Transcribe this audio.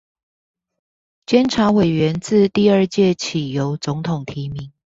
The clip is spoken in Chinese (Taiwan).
監察委員自第二屆起由總統提名